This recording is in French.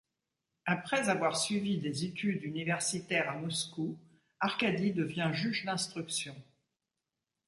Après avoir suivi des études universitaires à Moscou, Arkadi devient juge d'instruction.